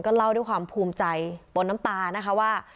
เล่าด้วยความภูมิใจบนน้ำตานะคะว่า